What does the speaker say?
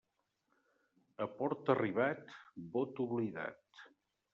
A port arribat, vot oblidat.